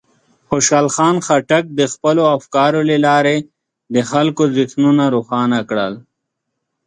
خوشحال خان خټک د خپلو افکارو له لارې د خلکو ذهنونه روښانه کړل.